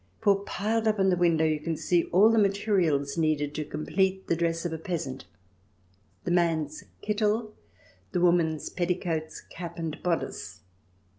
For, piled up in the window^ you can see all the materials needed to complete the dress of a peasant — the man's Kittel, the woman's petticoats, cap, and bodice.